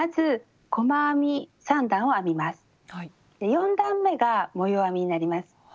４段めが模様編みになります。